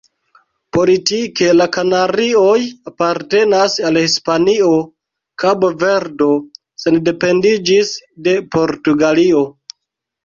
Politike la Kanarioj apartenas al Hispanio, Kabo-Verdo sendependiĝis de Portugalio.